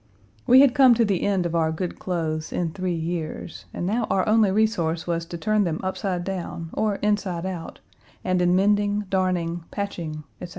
We had come to the end of our good clothes in three years, and now our only resource was to turn them upside down, or inside out, and in mending, darning, patching, etc.